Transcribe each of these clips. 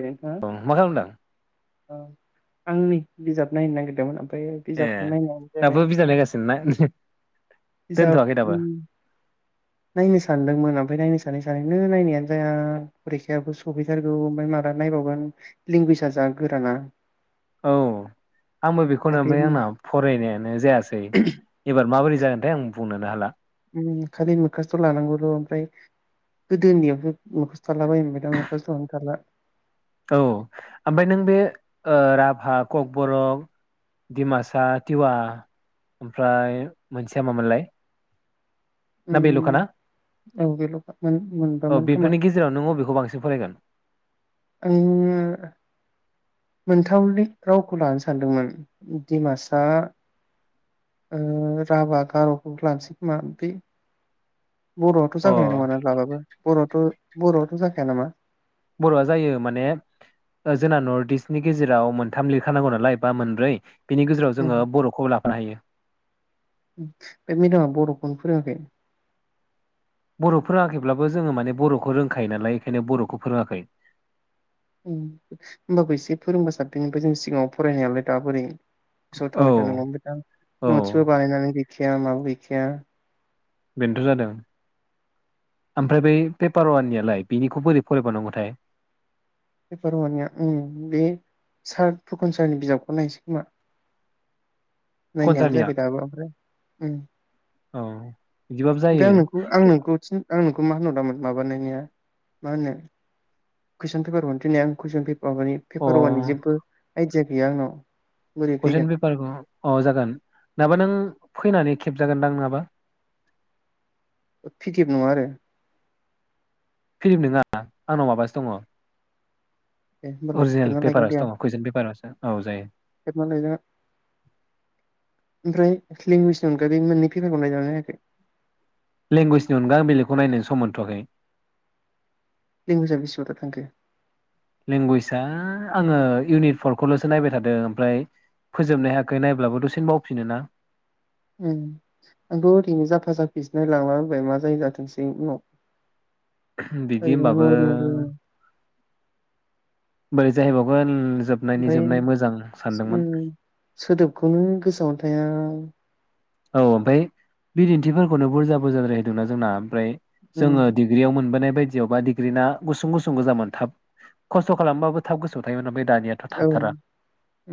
नोंथाङा औ मा खालामदों आंनि बिजाब नायनो नागिरदोंमोन आं ए दाबो बिजाब नायगासिनोना बिजाब दोनथ'वाखै दाबो उम नायनो सानदोंमोन ओमफ्राय नायनो सान साननो नायनायानो जाया फरिखायाबो सफैथारगौ ओमफ्राय माबला नायबावगोन लेंगुवेज जा गोराना औ आंबो बेखौनो खालि ओमफ्राय आंना फरायनायानो जायासै एबार माबोरै जागोनथाय आं बुंनो हाला खालि मोखासथ' लानांगौल' ओमफ्राय गोदो उन्दैयावसो मोख थाला बोयोमोन ओमफ्राय दा मखासथआनो थाला औ ओमफ्राय नों बे राभा ककबरक दिडिमासा टिवा ओमफ्राय मोनसेया मामोनलाय ना उम बेल'खाना औ बेल' मोन औ मोनबामोन खोमा बेफोरनि गेजेराव नों अ बेेखौ बांसिन फरायगोन आं मोनथावि रावखौ लानो सानदोंमोन डिमासा राभा गार'खौ लानोसै खोमा बर'आथ' अ जागायनाय नङाना लाबाबो बर'आथ' बर'आथ' जाखाया नामा बर'आ जायो माने जोंना नर्थ इस्टनि गेजेराव मोनथाम लिरखानांगौ नालाय बा मोनब्रै बिनि गेजेराव जोङो बर'खौ ला बाहायो बेडमिन्टामा बरखौनो फोरोङाखै बर' फोरोङाखैब्लाबो जोङो माने बरखौ रोंखायो नालाय बेखायनो बरखौ फोरोङाखै उम होनोमबाबो एसे फोरोंबा साब्सिननिफ्राय जों सिगाङाव फरायनायालाय दा बोरै गोसोआव औ थाबाय थानांगौ ओमफाय दा औ नटसबो बानायनानै [unintelligible] [unintelligible] बेनोथ जादों ओमफ्राय बै पेपार वाननियालाय बेनिखौ बोरै फरायबानांगौथाय पेपारा वाननिया उम बे सार फुकन सारनि बिजाबखौ नायसै खोमा नायनायानो खनसालिया जायाखै दाबो ओमफ्राय औ बिदिबाबो जायो ओमफ्राय आं नोंखौ आं नोंखौ आं नोंखौ मा होनहरदोमोन माबानायनिया मा होनो? कुइसन पेफार हरनो थिननाया आं कुइसन माबानि पेपार वानि अ जेबो आयदीया गैया आंनाव बोरै फैगोन कुइसन पेपार खौ अ जागोन नाबा नों फैनानै खेबजागोनदां नङाबा? फिकेब नङा आरो फिदिएफम नोङा आंनाव माबासो दङ दे होमबालाय अरजिनेल खेबना लायगोन दे पेपारासो आं दङ कुइजन पेपारासो औ जायो खेबना लायना [unintelligible] मोननै पेपारखौ नायगोना नायाखै लेंगुवेजनि अनगा आं बिलेखखौ नायनोनो सम मोनथ'वखै लिंगुज आ बिसिबां दा थांखो? लेंगुवेजआ आङो इउनिट फरखौलसो नायबाय थादों ओमफ्राय फोजोबनो हायाखै नायब्लाबो दसेनो बावफिनो ना। उम आंथ' ऐरैनो जाफा जाफिसो नायलांला बायबाय मा जायो जाथोंसै उनाव बिदि ओरैनो होनबाबो नरमेल बोरै जाहैबावगोन। जोबनायनि ओमफ्राय जोबनाय मोजां सानदोंमोन उम सोदोबखौनो गोसोआवनो थाया [inaudible] औ ओमफ्राय बिदिन्थिफोरखौनो बुरजा बुरजाद्राय होदोंना जोंना फाय उम जोङो डिग्रियाव मोनबोनाय बायदियावबा डिग्रिना गुसुं गुसुं गोजामोन थाब खस्थ' खालामबाबो थाब गोआव थायोमोन ओमफाय औ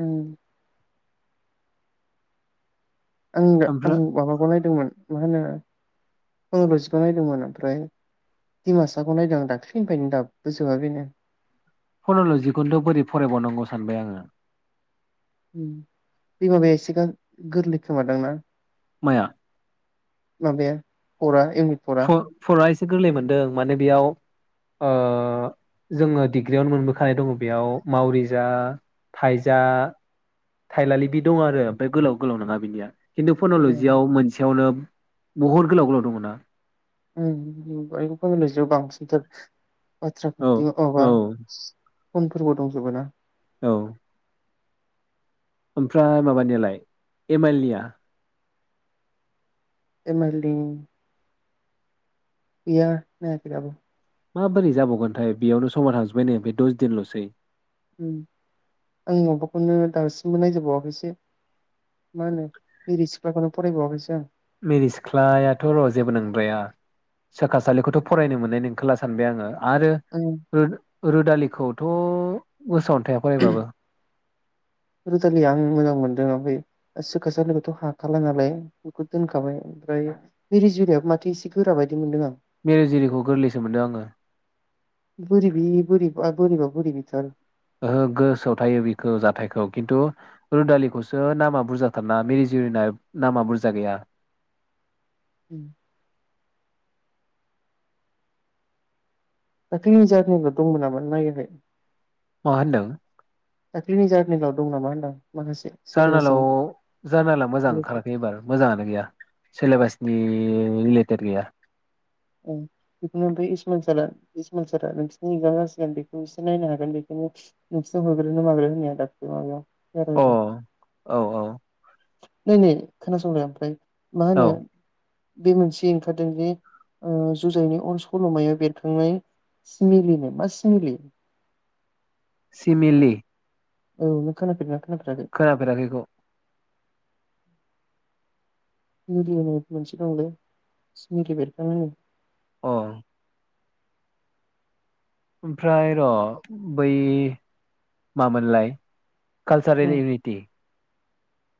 उम आं आं ओमफ्राय माबाखौ नायदोंमोन मा होनो? [unintelligible] नायदोंमोन ओमफ्राय डिमासाखौ नायदोंं दाख्लिनिफ्रायनो दाबो जोबा बेनो। फनल जिखुनथु बोरै फरायबावनांगौ सानबाय आङो। बे माबाया एसे गा गोरलै खोमादों ना? माया? माबाया फरा एम इ फरा फ फरायस गोरलै मोनदों माने बेयाव ओ जोङो डिग्रियावनो मोनबोखानाय दङ बेयाव मावरिजा थाइजा थाइलालि बि दं आरो ओमफ्राय गोलाव गोलाव नङा बिनिया खिन्दु फन'ल'जियाव मोनसेयावनो महर गोलाव गोलाव दङ ना [unintelligible] बांसिनथार औ आसारखान्थि अबा औ उनफोरबो दंजोबो ना? औ ओमफ्राय माबानियालाय एमइल निया एम आइलनि गैया नायाखै दाबो। माबोरै जाबावगोनथाय बेयावनो समा थांजोबबाय नै ओमफ्राय दस दिनल'सै आं माबाखौनो दासिमबो नायजोबावाखैसो मा होनो बेरै सिख्लाखौनो फरायबावाखैसो आं। मेरै सिख्लायाथ' र' जेबो नंद्राया सोखासालिखौथ' फरायनो मोननाय नोंखोला सानबाय आङो आरो आं हो रोदालिखौथ' गोसन [unintelligible] रुदालिया आं मोजां मोनदों ओमफ्राय सोखा सलिखौथ' हाखाला नालाय बेखौ दोनखाबाय ओमफ्राय मिरि जुलियाबो माथो एसे गोरा बायदि मोनदों आं मिरु जिरिखौ गोरलैसो मोनदों आङो। बोरैबि बोरैबा बोरैबा बुरिबिथार ओहो गोसोआव थायो बेखौ जाथायखौ खिन्थु रुदालिखौसो नामा बुरजाथारना मिरि जिरिना नामा बुरजा गैया उम! दाखलिनि जाइख्लं आ दंमोन नामा नों नायाखै? मा होन्दों? दा क्लिनि जारनिेलाव दं नामा होनदां माखासे सोरबा जार्नेलाव सोंदो जार्नाला मोजां ओंखाराखै एबार मोजाङानो गैया सिलेबासनि [unintelligible] ओं बेखौनो ओफ्राय इसमल सारा इसमल सारा नोंसिनि इगजाम जासिगोन बेखौ एसे नायनो हागोन बेखौनो नोंसोरनो होग्रोनो माग्रोनो होननाया दाख्लै माबायाव अ जार्निलाव औ औ नै नै खोनासंलाय ओमफ्राय! मा औ होनो बे मोनसे ओंखारदों जे जुजाइनि अर सल'मायाव बेरखांनाय सिमलिनो मा सिमिलि? सिमलि औ नों खोनाफेरदोंना खोनाफेराखै खोनाफेराखैखौ [unintelligible] अ' ओमफ्राय र' बै मामोनलाय मा कालसारेल इउनिति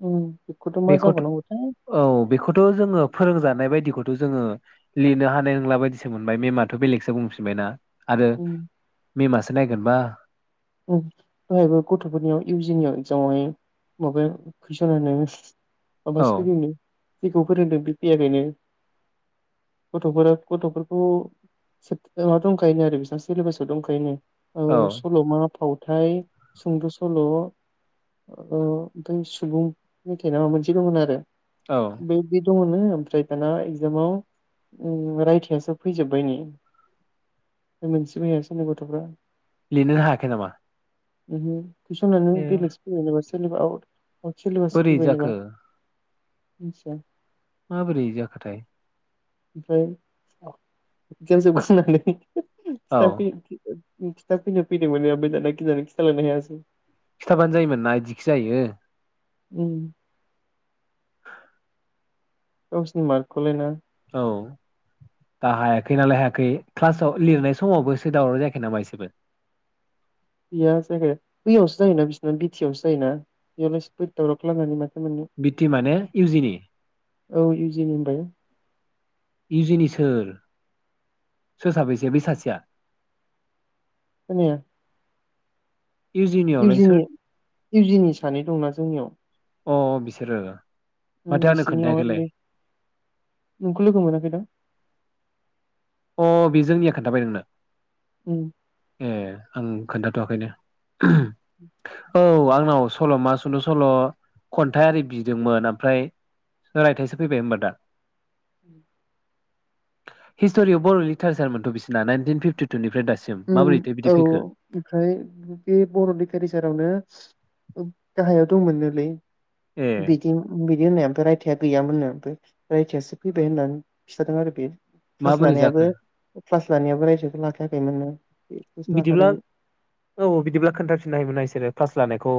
उम मा बेखौथ' जाबावनांगौथाय औ बेखौथ' जोङो फोरोंजानाय बायदिखौथ' जोङो लिरनो हानाय नंला बायदिसो मोनबाय मेमाथ' बेलेगसो बुंफिनबाय ना आरो उम मिमासो नायगोनबा बेहायबो गथ'फोरनियाव इउ जिनियाव एगजामावहाय माबा कुइसन होनो मा औ बासो फैदोंनो जेखौ फोरोंदों बे फैयाखैनो गथ'फोरा गथ'फोरखौ माबा दंखायोनो आरो बेसिबां सिलेबासाव दंखायो आ औ सल'मा फावथाय सुंद' सल' ओमफ्राय सुबुं मेथाइना माबा मोनसे दंमोन आरो औ बेदि दङनो ओमफ्राय दाना एगजामाव रायथायासो फैजोबबायनो मोनसिबो हायासैनो गथ'फ्रा। लिरनो हायाखै नामा? [inaudible] कुइसनानो ए बेलेकसो फैबायनो सेलिबाष आउट आवट सेलेबाससो बोरै फैबायनोबा जाखो मिथिया माबोरै जाखोथाय? ओमफ्राय इकजाम जोबखांनानै औ साफि खिथा फैनो फैदोंमोन आमफ्राय दाना गिनानै खिथालांनो हायासै। खिथाबानो जायोमोन ना बिदिखि जायो। उम गावसिरनि मार्कखौलायना? औ दा हायाखै नालाय हायाखै क्लासाव लिरनाय समावबोसो दावराव जायाखै नामा इसेबो। गैया जायखै बैयावसो जायोना बिसोरना बिटियावसो जायोना बेयावलाय सोर दावराव खालामनानै माथो मोननो बिटि माने इउजिनि औ इउजिनि होनबाय इउजिनि सो सोर साबैसो बै सासेया खोनाया इउजिनियावलाय सोर नि इउजिनि सानै दंना जोंनियाव अ-अ बिसोरो उ माथो आंनो बिसोरनि खोन्थायाखैलाय अरलै नोंखौ लोगो मोनाखै दां। अ बेजोंनिया खोन्थाबाय नोंनो? उम ए आं खोन्थाथ'वाखैनो औ आंनाव सल'मा सुदु सल' खन्थाइ आरि बिदोंमोन ओमफ्राय रायथाइसो फैबाय होनबा दा। सिटरियाव बर' लटारेसार मोनथ' बिसिना नाइनटिन फिफटिटुनिफ्रायास दा ओम औ ओमफ्राय बे बर' लिटारेसारावनो गाहायाव दं मोनोलै। ए बिदिं बिदि बियो होननाय ओमफ्राय रायथायाइआ गैयामोननो फ्राय रायथायआसो फैबाय होननानै खिन्थादों आरो बे क्लास माबोरै जाखो? लानायाबो क्लास लानाययाबो रायथायखौ लाखायाखैमोन। बिदिब्ला औ बिदिब्ला खोन्थाफिननो हायोमोन ना बिसोरो क्लास जानायखौ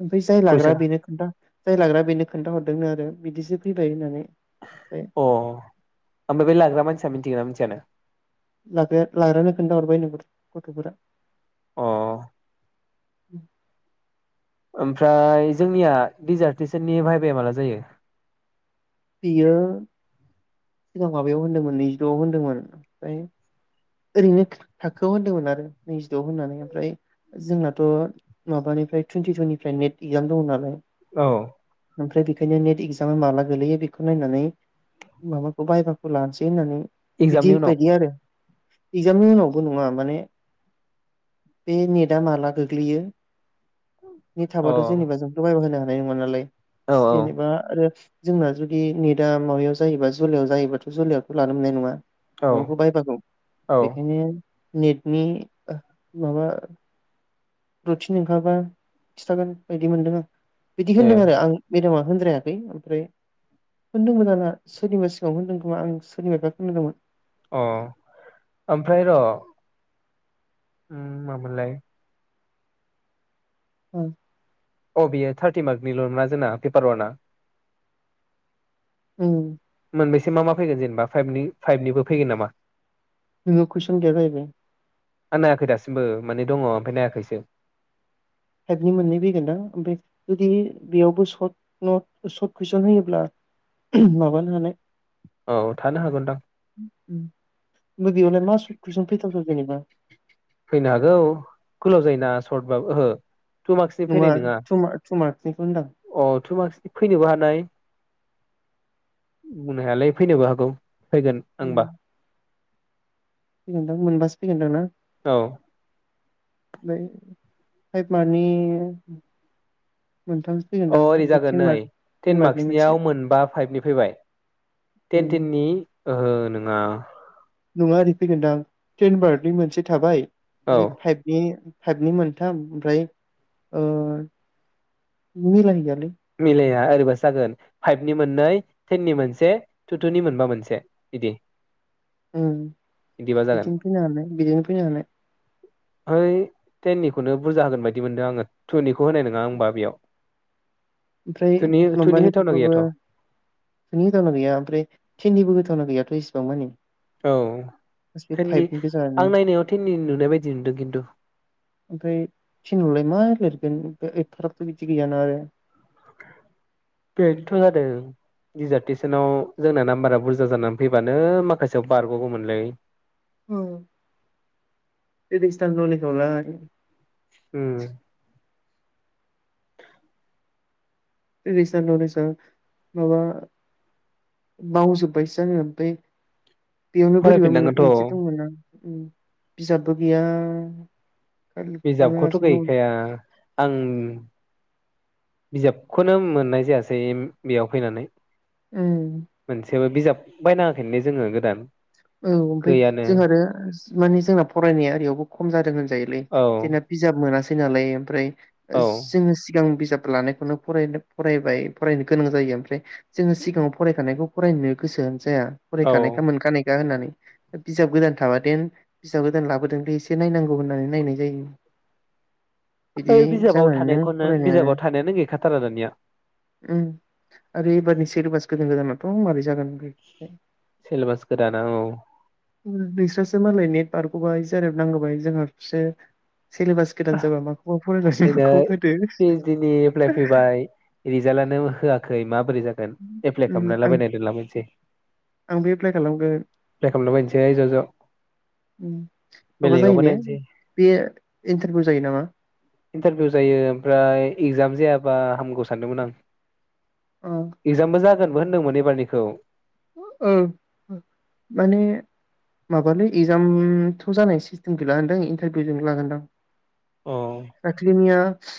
ओमफ्राय जाय लाग्रा बेनो खिथा जाय लाग्रा बेनो खोन्था हरदोंनो आरो बिदिसो। फैबाय होननानै। ओमफ्राय अ ओमफ्राय बे लाग्रा मानसिया मिथिगोना मिथि मिथियानो? लाग्रा लाग्रानो खोनन्थाहरबाय नो गथ'फोरा अ उम ओमफ्राय जोंनिया डिजार्टेसननि भायबाया माला जायो? बियो सिगां माबायाव होन्दोंमोन नैजिद'आव होन्दोंमोन ओमफ्राय ओरैनो थाखोआव होन्दोंमोन आरो नैजिद' होननानै ओमफ्राय जोंनाथ' माबानिफ्राय टुइनटि टुनिफ्राय नेट इगजाम दङ नालाय। औ ओमफ्राय बि खायनो नेट इक्जामा माला गोलैयो बेखौ नायनानै माबा खौ बायबाखौ लानोसै होननानै बिदि एगजामनि उनाव बायदि आरो इगजामनि उनावबो नङा माने बे नेटआ माला गोग्लैयो नेट अ थाबाथ' जेनेबा जोंना बाय होनोङा नाय मोनलाय औ जेनेबा आरो जोंना जुदि ने दा माबायाव जायोबा जुलियाव जायोबाथ' जुलियावथ' लानो मोननाय नङा औ माबाखौ बायबाखौ औ बेखायनो नेटनि माबा रुथिन ओंखारबा खिन्थागोन बायदि मोनदों बिदि ए होनदों आरो आं बेदामा होनद्रायाखै ओमफ्राय होनदोंमोन आंना सोरनिबा सिगाङावनो होनदों खोमा आं सोरनिबा होनदोंमोन अ ओमफ्राय र' उम मामोनलाय औ अ बेयो थार्टि मार्कनिल' ना जोंना पेपार अवानआ उम मोनबैसे मा मा फै जेनेबा फाइभनिबो फैगोन नामा नोंनाव कुइसन गैला जाहैबाय आ नायाखै दासिमबो माने दङ ओमफाय नायाखैसो टाइपनि मोननै फैगोन दा ओमफाय जुदि बेयावबो सर्ट नट सर्ट कुइसन होयोब्ला ओहोम माबानो हानाय। औ थानो हागौदां ओमफाय बेयावलाय मा सर्ट कुइसन फैथाव [unintelligible] जेनबा। फैनो हागौ गोलाव जायोना सर्टबाबो ओहो टु मार्क्सनि नङा फैनाय टू मार टू मार्कनिखौ होनदां। टू मार्कसनि फैनोबो हानाय। बुंनो हायालै फैनोबो हागौ। फैगोन आंबा। फैगोनदां मोनबासो फैगोनदों ना? औ। ओमफाय फाइभ मारनि अ ओरै जागोन नै टेन मार्कनि मोनसे मार्कसनियाव मोनबा फाइभनि फैबाय उम टेन टेननि ओहो नोङा। नङा ओरै फैगोनदां टेन मार्कनि मोनसे थाबाय औ नै फाइभनि फाइभनि मोनथाम ओमफ्राय ओ मिलायहैया। मिलाया आरो बासो जागोन मोननै टेननि मोनसे टू टू नि बोनबा मोनसे बिदि। उम बिदिबा जागोन बिथिं फैनो हानाय बिदिनो फैनो हानाय। ओमफ्राय टेननिखौनो बुरजा होगोन बायदि मोन्दों आङो टुनिखौ होनाय नङा आंनिबा बेयाव। ओमफ्राय टुनि टुनि होथावना माबानिखौबाबो गैयाथ' मानि होथावना गैया ओमफ्राय टेननिबो होथावना गैया। बेसेबां मानि औ बास बे टेननि फाइभनि गोजानो आं नायनायाव टेननिनो नुनाय बायदि नुदों खिन्थु। [unintelligible] एथ'ग्राबथ' बिदि गैया ना आरो। बेनथ' जादों डिजार्टेसनाव जोंना नाम्बारा बुरजा जानानै फैबानो माखासेयाव बारग'गौमोनलै औ बेदिस्टान नलेजखौ लाय उम। बेरिस्टान नलेजा माबा बावजोब्बायसो आङो ओमफाय बेयावनो बोरैबा मोन-मोनसे फरायफिननांगोनथ' दंमोन ना बिजाबबो गैया। खालि खुगानि बिजाबखौथ' हासुं गैखाया आं बिजाबखौनो मोननाय जायासै बेयाव फैनानै उम। जेबो बिजाब बायनाङाखैनो ने जोङो गोदान? औ ओमफाय गैयानो जोंहा आरो माने जोंना फरायनाया ओरैयावबो खम जादों होनज जायो लै औ जोंना बिजाब मोनास थै नालाय ओमफ्राय औ जोंङो सिगां बि बिजाब लानायखौनो फराय फरायबाय फरायनो गोनां जायो ओमफ्राय जोंङो सिगाङाव फरायखानायखौ फरायनो गोसो जाया औ फरायखानायखा मोनखानाय होननानै बिजाब गोदान थाबा देन बिजाब गोदान लाबोदों दे एसे नायनांगौ होननानै नायनाय जायो। बिदि ओइ बिजाबाव जानानैनो थानायखौनो फरायनायानो बिजाबाव थानायानो गैखा थारा दानिया उम आरो एबारनि सेरेबास गोदान गोदाना थ' मारै जागोन बे सिलेबास गोदाना औ नोंस्रासो मालाय नेट बारग'बाय जेरेब नांगौबाय जोंहासो सेलेबास गोदान जाबा माखौबा फरायनानै दिनै माखौबा होदो पिसडिनि एप्लाइ फैबाय रिजाल्टआनो होआखै खै मा उम आं आंबो एप्लाइ खालामगोन एप्लाइ खालामला बायनोसै ज' ज' माबा जायो बेलेगावबो ने नायनोसै बे इन्टारभिउ जायो नामा इन्टारभिउ जायो ओमफ्राय इगजाम जायाबा हामगौ सानदोंमोन आं। अ इगजामा जा गोनबो होनदोंमोन एबारनिखौ ओं माने माबालै एक्जामथ' जानाय सिस्टेम गैलाओनदों इन्टारभिउजों लागोनदां अ दाखलैनिया